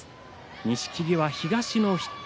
錦木は東の筆頭